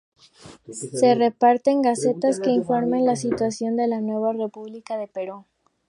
Se reparten gacetas que informan la situación de la nueva República del Perú.